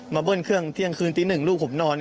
เบิ้ลเครื่องเที่ยงคืนตีหนึ่งลูกผมนอน